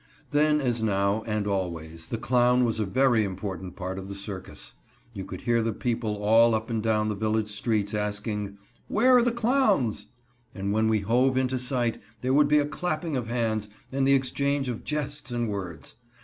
Then, as now and always, the clown was a very important part of the circus. You could hear the people all up and down the village streets asking: "Where are the clowns?" and when we hove into sight there would be a clapping of hands and the exchange of jests and words.